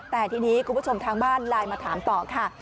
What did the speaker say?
แต่ทีนี้คุณผู้ชมทางบ้านไลน์มาถามต่อค่ะ